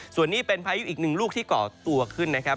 ส่วนนี้เป็นพายุอีกหนึ่งลูกที่ก่อตัวขึ้นนะครับ